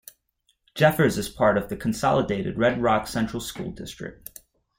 Jeffers is part of the consolidated Red Rock Central School District.